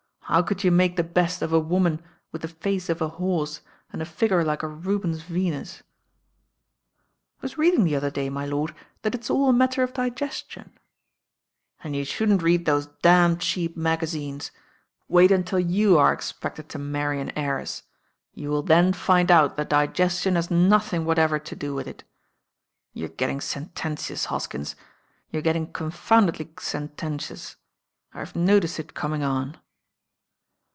"How could you make the ■ w«t of a uoman with the face of a horse and a fig ure like a Rubens Venus?" "I was reading the other day, my lord, that it'» all a matter of digestion." "Then you shouldn't read those damned cheap magazines. Wait until you arc expected to marry an heiress. You will then find out that digestion has nothing whatever to do with it. You're get ting sententious, Hoskins; you're getting confound edly sententious. I've noticed it coming on."